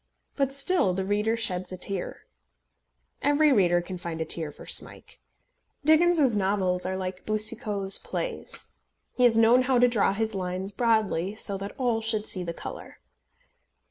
But still the reader sheds a tear. Every reader can find a tear for Smike. Dickens's novels are like Boucicault's plays. He has known how to draw his lines broadly, so that all should see the colour.